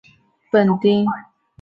区役所设于东本町。